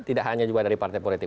tidak hanya juga dari partai politik